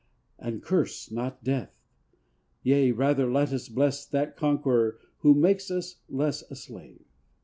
And curse not death! Yea, rather let us bless That conqueror who makes us less a slave!